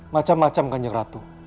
macam macam kanjeng ratu